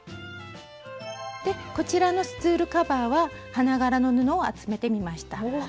こちらのスツールカバーは花柄の布を集めてみました。